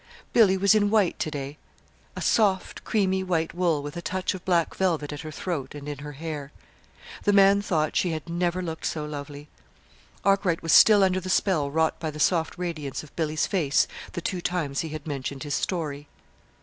Billy was in white to day a soft, creamy white wool with a touch of black velvet at her throat and in her hair. The man thought she had never looked so lovely: Arkwright was still under the spell wrought by the soft radiance of Billy's face the two times he had mentioned his "story."